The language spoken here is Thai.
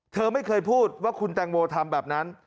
เธอไม่เคยพูดว่าคุณแตงโมทำแบบนั้น